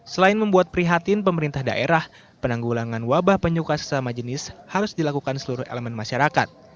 selain membuat prihatin pemerintah daerah penanggulangan wabah penyuka sesama jenis harus dilakukan seluruh elemen masyarakat